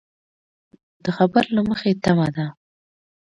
د خبر له مخې تمه ده